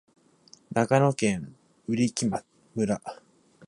長野県売木村